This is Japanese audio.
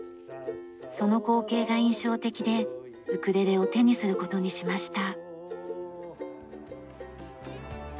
その光景が印象的でウクレレを手にする事にしました。